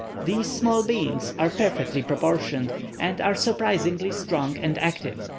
These small beings are perfectly proportioned, and are surprisingly strong and active.